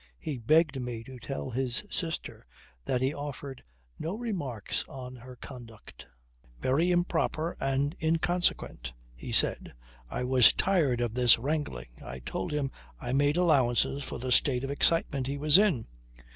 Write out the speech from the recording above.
He begged me to tell his sister that he offered no remarks on her conduct. Very improper and inconsequent. He said ... I was tired of this wrangling. I told him I made allowances for the state of excitement he was in."